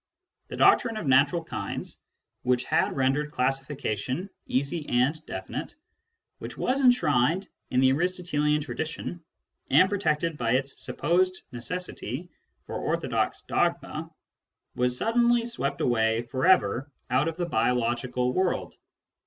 The doctrine of natural kinds, which had rendered classification easy and definite, which was enshrined in Digitized by Google 12 SCIENTIFIC METHOD IN PHILOSOPHY the Aristotelian tradition, and protected by its supposed necessity for orthodox dogma, was suddenly swept away for ever out of the biological world.